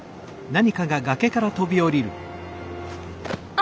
あ！